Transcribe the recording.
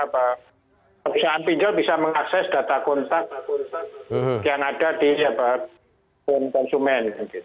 perusahaan pinjol bisa mengakses data kontak yang ada di konsumen